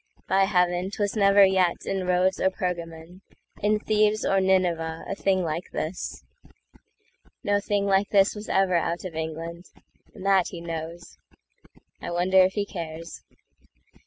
By heaven,'Twas never yet in Rhodes or Pergamon—In Thebes or Nineveh, a thing like this! No thing like this was ever out of England; And that he knows. I wonder if he cares.